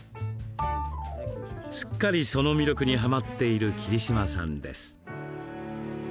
すっかり、その魅力にはまっている桐島さんです。